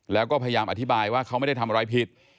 แล้วก็พยายามอธิบายว่าเขาไม่ได้ทำอะไรผิด